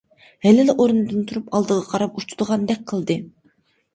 ھېلىلا ئورنىدىن تۇرۇپ ئالدىغا قاراپ ئۇچىدىغاندەك قىلدى.